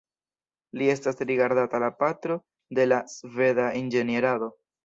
Li estas rigardata la patro de la sveda inĝenierado.